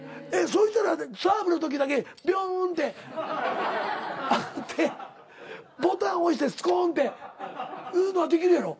そしたらサーブの時だけピョンって上がってボタン押してスコンっていうのはできるやろ？